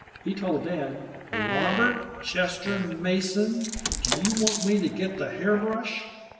He told dad " "Robert Chester Mason, do you want me to get the hairbrush?"